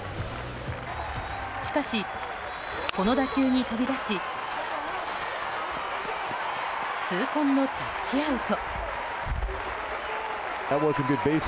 しかし、この打球に飛び出し痛恨のタッチアウト。